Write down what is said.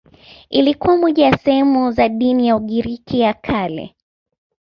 Ilikuwa moja ya sehemu za dini ya Ugiriki ya Kale.